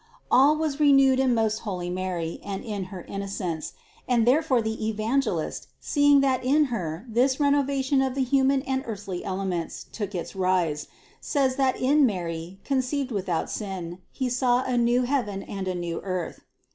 All was renewed in most holy Mary and in her innocence; and therefore the Evangelist, seeing that in Her this renova tion of the human and earthly elements took its rise, says that in Mary conceived without sin he saw a new heaven and a new earth.